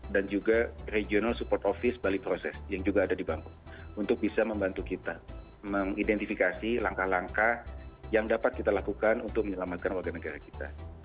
dan juga regional support office bali process yang juga ada di bangkok untuk bisa membantu kita mengidentifikasi langkah langkah yang dapat kita lakukan untuk menyelamatkan warga negara kita